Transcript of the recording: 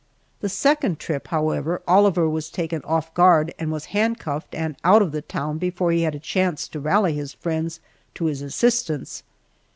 The second trip, however, Oliver was taken off guard and was handcuffed and out of the town before he had a chance to rally his friends to his assistance.